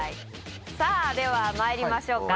さぁではまいりましょうか。